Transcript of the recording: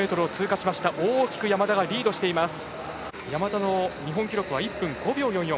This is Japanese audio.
山田の日本記録は１分５秒４４。